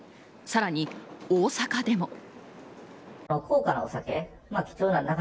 さらに大阪でも。